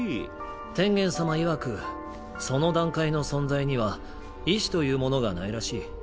天元様いわくその段階の存在には意志というものがないらしい。